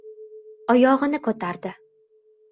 Oyog‘ini ko‘tardi.